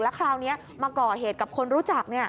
คราวนี้มาก่อเหตุกับคนรู้จัก